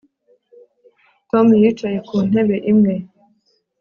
Tom yicaye ku ntebe imwe